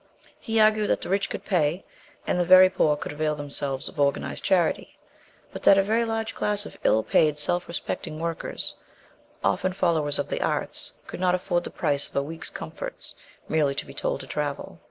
He argued that the rich could pay, and the very poor could avail themselves of organized charity, but that a very large class of ill paid, self respecting workers, often followers of the arts, could not afford the price of a week's comforts merely to be told to travel.